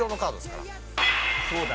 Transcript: そうだ。